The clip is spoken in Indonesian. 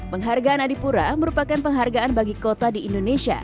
penghargaan adipura merupakan penghargaan bagi kota di indonesia